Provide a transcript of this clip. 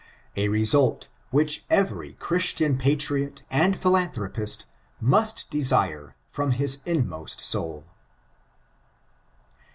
A result which every Christian patriot and philanthi*opist miLst desire from his inmost soul.